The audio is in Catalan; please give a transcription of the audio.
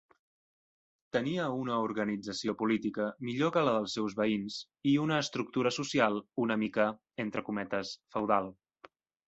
Tenia una organització política millor que la dels seus veïns i una estructura social una mica "feudal".